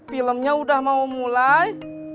filmnya udah mau mulai